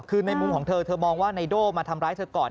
คือในมุมของเธอเธอมองว่าไนโด่มาทำร้ายเธอก่อน